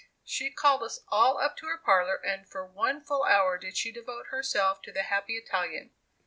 She called us all up to her parlor, and for one full hour did she devote herself to the happy Italian.